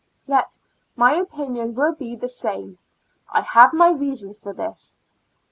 Yet my opinion will be the same; I have my reasons for this.